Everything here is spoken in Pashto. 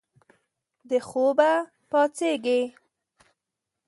د خوب پاڅیږې